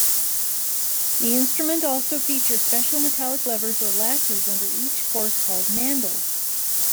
The instrument also features special metallic levers or latches under each course called "mandals".